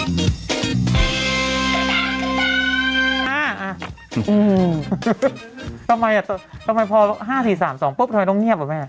อื้อทำไมทำไมพอห้าสี่สามสองปุ๊บท้วยต้องเงียบหรือเปล่า